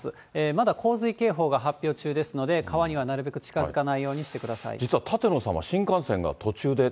まだ洪水警報が発表中ですので、川にはなるべく近づかないように実は舘野さんは、そうなんですよね。